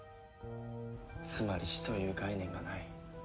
つまり死という概念がない。